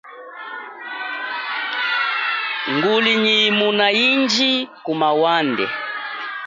Nguli nyi yimuna yindji kuma wande.